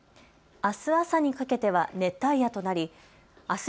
あす朝にかけては熱帯夜となりあす